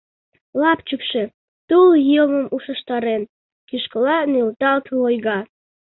Лапчыкше, тул йылмым ушештарен, кӱшкыла нӧлталт лойга.